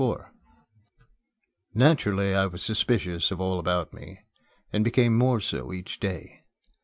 IV NATURALLY I was suspicious of all about me, and became more so each day.